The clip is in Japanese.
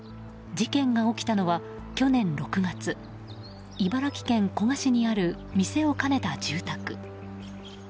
事件が起きたのは去年６月、茨城県古河市にある店を兼ねた住宅。